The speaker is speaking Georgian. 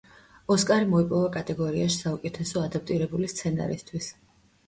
ოსკარი მოიპოვა კატეგორიაში საუკეთესო ადაპტირებული სცენარისთვის.